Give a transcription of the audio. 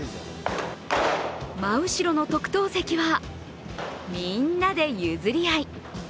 真後ろの特等席はみんなで譲り合い。